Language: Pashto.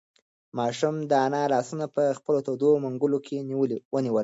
ماشوم د انا لاسونه په خپلو تودو منگولو کې ونیول.